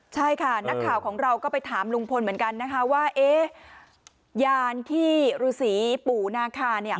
ใช่ค่ะนักข่าวของเราก็ไปถามลุงพลเหมือนกันนะคะว่าเอ๊ะยานที่ฤษีปู่นาคาเนี่ย